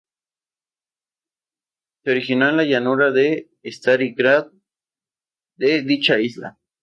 Se originó en la llanura de Stari Grad de dicha isla.